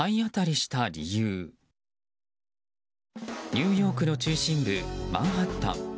ニューヨークの中心部マンハッタン。